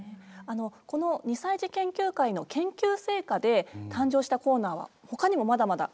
この２歳児研究会の研究成果で誕生したコーナーはほかにもまだまだあるんですね。